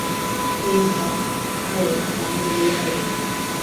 滨海埃尔芒维尔。